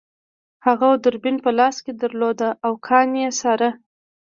هغه دوربین په لاس کې درلود او کان یې څاره